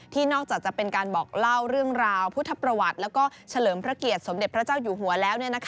นอกจากจะเป็นการบอกเล่าเรื่องราวพุทธประวัติแล้วก็เฉลิมพระเกียรติสมเด็จพระเจ้าอยู่หัวแล้ว